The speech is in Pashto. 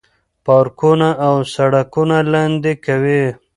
پارکونه او سړکونه لاندې کوي.